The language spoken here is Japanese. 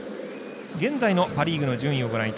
現在のパ・リーグの順位です。